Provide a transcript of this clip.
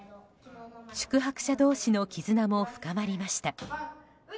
宿泊者同士の絆も深まりました。